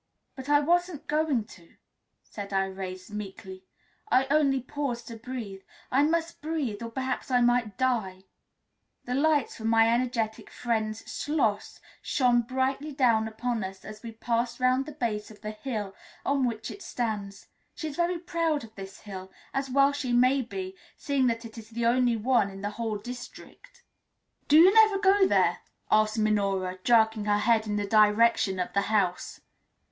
"But I wasn't going to," said Irais meekly; "I only paused to breathe. I must breathe, or perhaps I might die." The lights from my energetic friend's Schloss shone brightly down upon us as we passed round the base of the hill on which it stands; she is very proud of this hill, as well she may be, seeing that it is the only one in the whole district. "Do you never go there?" asked Minora, jerking her head in the direction of the house.